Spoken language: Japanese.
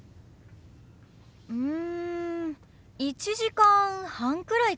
うん１時間半くらいかな。